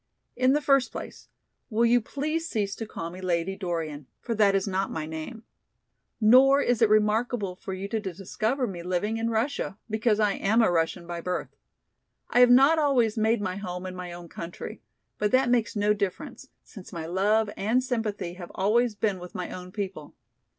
In the first place, will you please cease to call me Lady Dorian, for that is not my name. Nor is it remarkable for you to discover me living in Russia, because I am a Russian by birth. I have not always made my home in my own country, but that makes no difference, since my love and sympathy have always been with my own people.